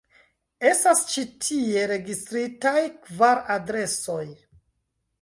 Estas ĉi tie registritaj kvar adresoj.